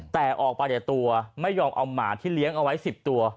แต่ออกไปแต่ตัวไม่ยอมเอาหมาที่เลี้ยงเอาไว้๑๐ตัว